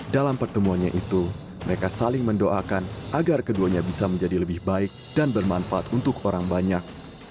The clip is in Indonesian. dalam pertemuannya itu mereka saling mendoakan agar keduanya bisa menjadi lebih baik dan bermanfaat untuk orang banyak